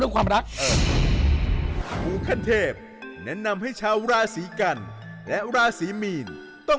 ครูคันเทพแนะนำให้ชาวราศีกรรมและราศีมีน